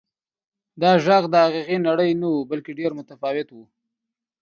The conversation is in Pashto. دا غږ د حقیقي نړۍ نه و بلکې ډېر متفاوت و.